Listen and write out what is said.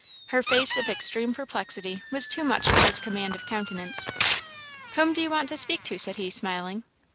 Her face of extreme perplexity was too much for his command of countenance. "Whom do you want to speak to?" said he, smiling.